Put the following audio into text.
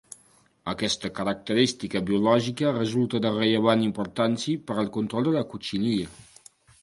Aquesta característica biològica resulta de rellevant importància per al control de la cotxinilla.